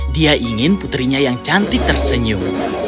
dia ingin putrinya yang cantik tersenyum